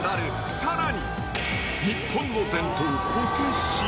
さらに、日本の伝統、こけし。